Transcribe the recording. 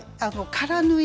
空縫い？